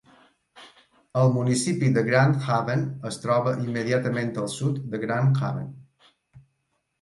El municipi de Grand Haven es troba immediatament al sud de Grand Haven.